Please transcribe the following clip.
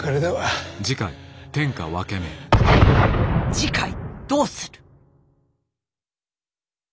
次回どうする。